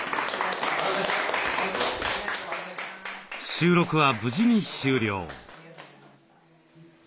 収録は無事に終了。